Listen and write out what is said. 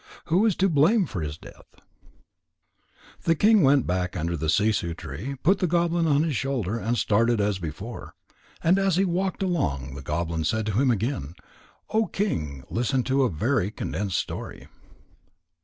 Who is to blame for his death?_ Then the King went back under the sissoo tree, put the goblin on his shoulder, and started as before. And as he walked along, the goblin said to him again: "O King, listen to a very condensed story."